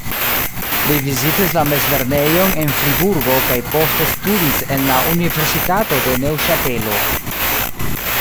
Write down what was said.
Li vizitis la mezlernejon en Friburgo kaj poste studis en la Universitato de Neŭŝatelo.